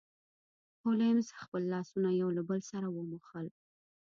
هولمز خپل لاسونه یو له بل سره وموښل.